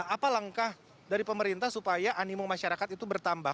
apa langkah dari pemerintah supaya animo masyarakat itu bertambah